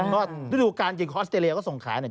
เพราะว่าฤดูการจริงของออสเตรเลียก็ส่งขายเนี่ย